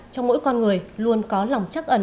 trong mỗi con người luôn có lòng chắc ẩn